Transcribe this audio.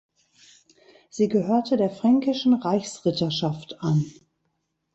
Sie gehörte der Fränkischen Reichsritterschaft an.